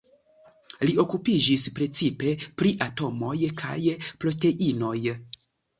Li okupiĝis precipe pri atomoj kaj proteinoj.